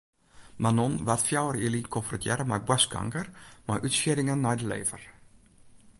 Manon waard fjouwer jier lyn konfrontearre mei boarstkanker mei útsieddingen nei de lever.